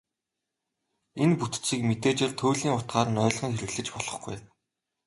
Энэ бүтцийг мэдээжээр туйлын утгаар нь ойлгон хэрэглэж болохгүй юм.